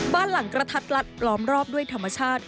บ้านหลังกระทัดลัดล้อมรอบด้วยธรรมชาติ